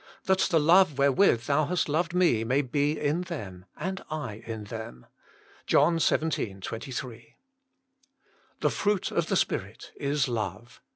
that the love wherewith Thou hast loved Me may be in them, and I in them." JOHN xvii. 23. "The fruit of the Spirit is love."